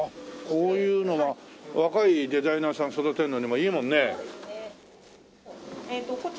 こういうのは若いデザイナーさん育てるのにもいいもんね。